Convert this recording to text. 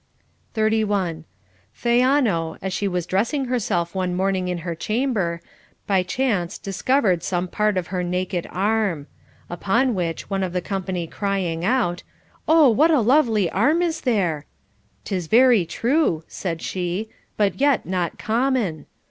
31. Theano, as she was dressing herself one morning in her chamber, by chance discovered some part of her naked arm. Upon which, one of the company crying out, Oh, what a lovely arm is there !— Tis very true, said she, but yet not common.